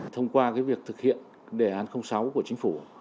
thông qua việc thực hiện đề án sáu của chính phủ